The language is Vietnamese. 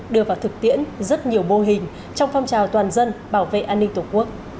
đưa vào thực tiễn rất nhiều mô hình trong phong trào toàn dân bảo vệ an ninh tổ quốc